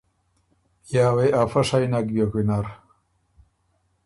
یا وې افۀ شئ نک بیوک وینر۔